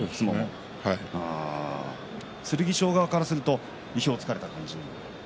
剣翔側からすると意表を突かれた感じ。